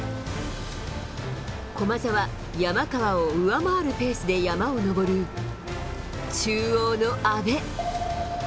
駒澤、山川を上回るペースで山を上る、中央の阿部。